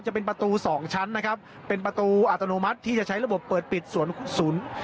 จะเป็นประตูสองชั้นนะครับเป็นประตูอัตโนมัติที่จะใช้ระบบเปิดปิดสวนศูนย์